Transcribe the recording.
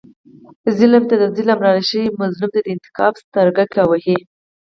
ظلم ته د ظلم لاره ښیي او مظلوم ته د انتقام سترګک وهي.